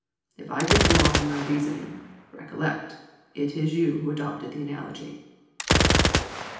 If I get wrong in my reasoning, recollect, it is you who adopted the analogy."